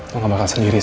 lo gak bakal sendiri sa